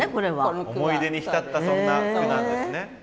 思い出に浸ったそんな句なんですね。